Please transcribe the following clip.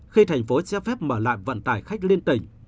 khi thành phố cho phép mở lại vận tải khách liên tỉnh